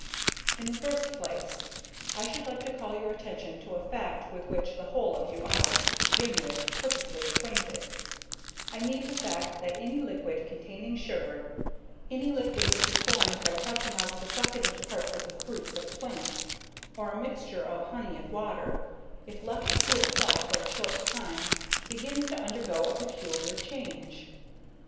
In the first place, I should like to call your attention to a fact with which the whole of you are, to begin with, perfectly acquainted, I mean the fact that any liquid containing sugar, any liquid which is formed by pressing out the succulent parts of the fruits of plants, or a mixture of honey and water, if left to itself for a short time, begins to undergo a peculiar change.